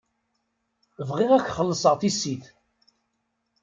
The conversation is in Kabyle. Bɣiɣ ad k-xellṣeɣ tissit.